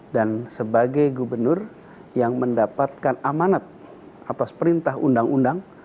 dan sebagai gubernur yang mendapatkan amanat atas perintah undang undang